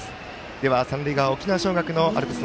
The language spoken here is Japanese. では、三塁側の沖縄尚学のアルプス。